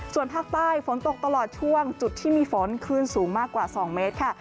ส่วนภาคใต้ฝนตกตลอดช่วงจุดที่มีฝนคลื่นสูงมากกว่า๒เมตรค่ะ